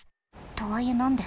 とはいえ何で？